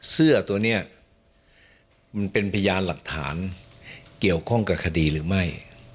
เสื้อตัวนี้มันเป็นพยานหลักฐานเกี่ยวข้องกับคดีหรือไม่